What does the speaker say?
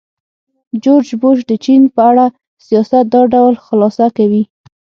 جورج بوش د چین په اړه سیاست دا ډول خلاصه کوي.